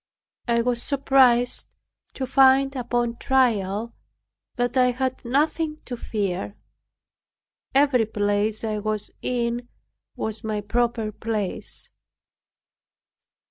I was surprised to find upon trial that I had nothing to fear. Every place I was in was my proper place.